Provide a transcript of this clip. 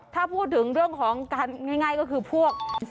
ถ้าพูดถึงเรื่องของการง่ายก็คือพวก